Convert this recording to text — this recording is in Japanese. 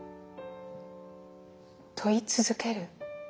問い続ける？